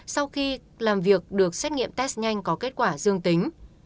sau khi làm việc được xét nghiệm test nhanh có kết quả dương tính